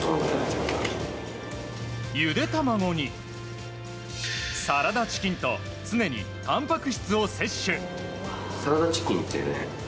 ゆで卵にサラダチキンと常に、たんぱく質を摂取。